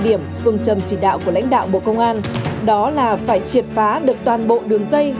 điểm phương trầm chỉ đạo của lãnh đạo bộ công an đó là phải triệt phá được toàn bộ đường dây